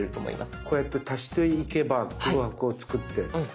こうやって足していけば空白を作って。